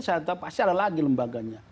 saya tahu pasti ada lagi lembaganya